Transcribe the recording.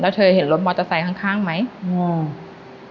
แล้วเธอเห็นรถมอเตอร์ไซค์ข้างข้างไหมอืม